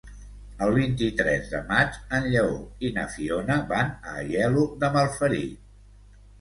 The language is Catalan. El vint-i-tres de maig en Lleó i na Fiona van a Aielo de Malferit.